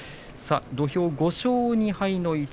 土俵、５勝２敗の一